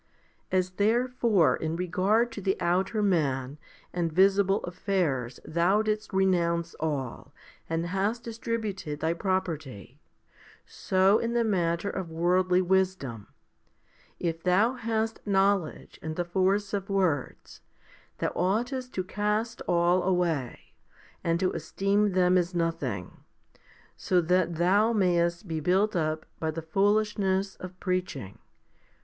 As therefore in regard to the outer man and visible affairs thou didst renounce all and hast distributed thy property, so in the matter of worldly wisdom, if thou hast knowledge and the 150 FIFTY SPIRITUAL HOMILIES force of words/thou oughtest to cast all away, and to esteem them as nothing, that so thou mayest be built up by the foolishness of preaching?